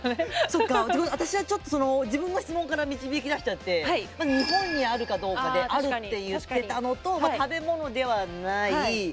そうか私は自分の質問から導き出しちゃってまず日本にあるかどうかであるって言ってたのとまあ食べ物ではない。